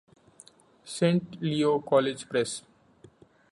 Saint Leo College Press.